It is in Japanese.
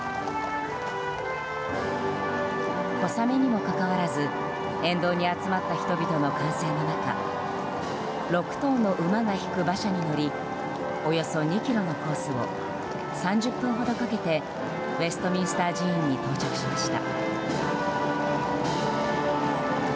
小雨にもかかわらず沿道に集まった人々の歓声の中６頭の馬が引く馬車に乗りおよそ２ｋｍのコースを３０分ほどかけてウェストミンスター寺院に到着しました。